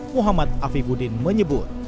muhammad afiqudin menyebut